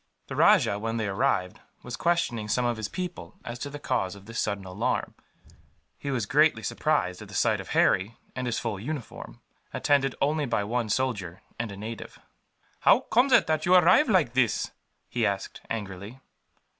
The rajah, when they arrived, was questioning some of his people as to the cause of this sudden alarm. He was greatly surprised at the sight of Harry, in his full uniform, attended only by one soldier and a native. "How comes it that you arrive like this?" he asked, angrily.